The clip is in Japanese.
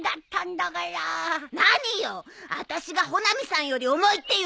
何よあたしが穂波さんより重いっていうの？